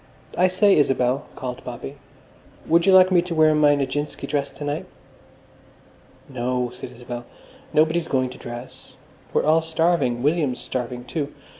"I say, Isabel," called Bobby, "would you like me to wear my Nijinsky dress to night?" "No," said Isabel, "nobody's going to dress. We're all starving. William's starving, too.